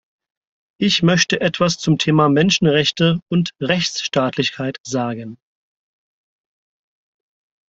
Ich möchte etwas zum Thema Menschenrechte und Rechtsstaatlichkeit sagen.